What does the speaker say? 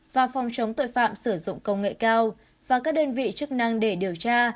và phòng chống tội phạm sử dụng công nghệ cao và các đơn vị chức năng để điều tra